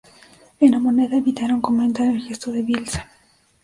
En La Moneda evitaron comentar el gesto de Bielsa.